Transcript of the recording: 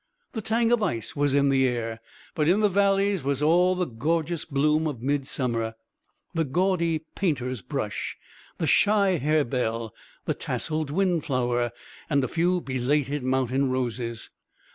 The tang of ice was in the air; but in the valleys was all the gorgeous bloom of midsummer the gaudy painter's brush, the shy harebell, the tasselled windflower, and a few belated mountain roses.